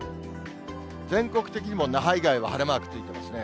全国的にも那覇以外は晴れマークついてますね。